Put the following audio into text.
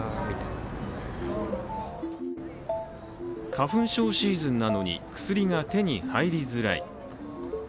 花粉症シーズンなのに薬が手に入りづらい。